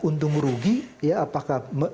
untung rugi ya apakah